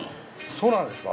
そうなんですか？